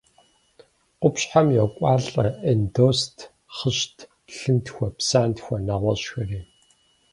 Къупщхьэм йокӏуалӏэ эндост, хъыщт, лъынтхуэ, псантхуэ, нэгъуэщӏхэри.